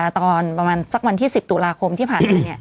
ตอนประมาณสักวันที่๑๐ตุลาคมที่ผ่านมา